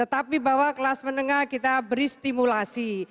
tetapi bahwa kelas menengah kita beri stimulasi